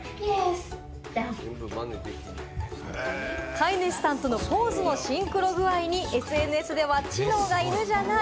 飼い主さんとのポーズのシンクロ具合に、ＳＮＳでは知能が犬じゃない。